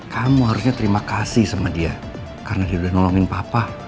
kamu harusnya terima kasih sama dia karena dia udah nolongin papa